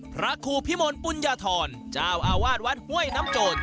พระครูพิมลปุญญาธรเจ้าอาวาสวัดห้วยน้ำโจท